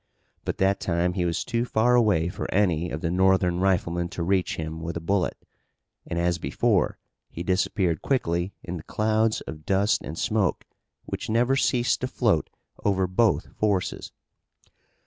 But that time he was too far away for any of the Northern riflemen to reach him with a bullet, and as before he disappeared quickly in the clouds of dust and smoke which never ceased to float over both forces.